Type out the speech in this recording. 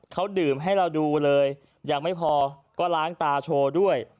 เขาดื่มให้เราดูเลยยังไม่พอก็ล้างตาโชว์ด้วย